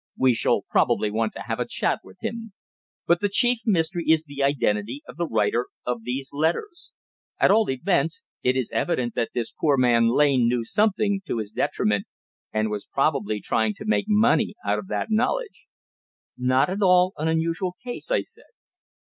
"We shall probably want to have a chat with him. But the chief mystery is the identity of the writer of these letters. At all events it is evident that this poor man Lane knew something to his detriment, and was probably trying to make money out of that knowledge." "Not at all an unusual case," I said.